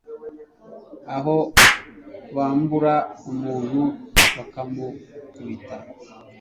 aho bambura umuntu bakanamukubita